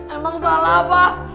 emang salah apa